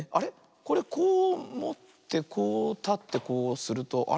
これこうもってこうたってこうするとあれ？